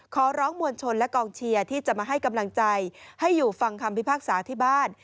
ขอร้องมวลชนและกองเชียร์ที่จะมาให้กำลังใจให้อยู่ฟังคำพิพากษาที่บ้าน